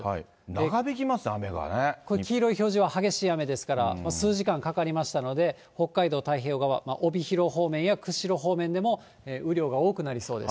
長引きますね、雨がね。これ、黄色い表示は激しい雨ですから、数時間かかりましたので、北海道太平洋側、帯広方面や釧路方面でも雨量が多くなりそうです。